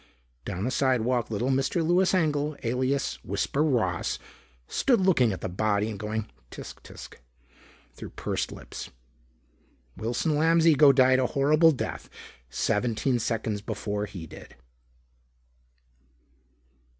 Down the sidewalk, little Mr. Louis Engel, alias Whisper Ross, stood looking at the body and going "Tsk! Tsk!" through pursed lips. Wilson Lamb's ego died a horrible death seventeen seconds before he did.